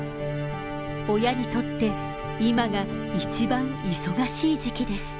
親にとって今が一番忙しい時期です。